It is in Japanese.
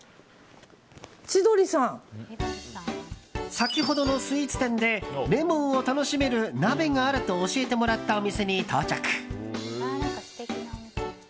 先ほどのスイーツ店でレモンを楽しめる鍋があると教えてもらったお店に到着。